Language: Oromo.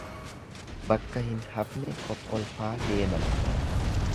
Bakka hin hafne kokkolfaa deeman.